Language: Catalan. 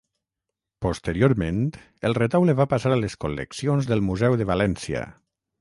Posteriorment el retaule va passar a les col·leccions del museu de València.